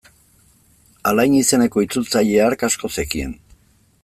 Alain izeneko itzultzaile hark asko zekien.